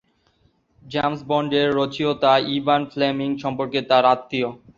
James বন্ডের রচয়িতা Ian Fleming সম্পর্কে তার আত্মীয়।